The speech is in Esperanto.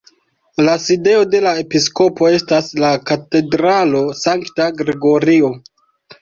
La sidejo de la episkopo estas la katedralo Sankta Gregorio.